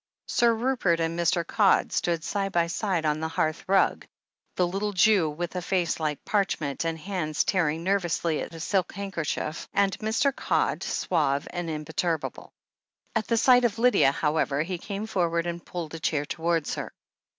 Sir Rupert and Mr. Codd stood side by side on the hearth rug, the little Jew with a face like parchment "] 302 THE HEEL OF ACHILLES and hands tearing nervously at a silk handkerchief, and Mr. Codd suave and imperturbable. At the sight of Lydia, however, he came forward and pulled a chair towards her.